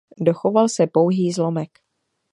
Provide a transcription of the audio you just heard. Dochoval se pouhý zlomek.